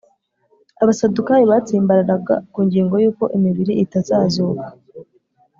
” Abasadukayo batsimbararaga ku ngingo yuko imibiri itazazuka